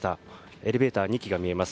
エレベーター２基が見えます。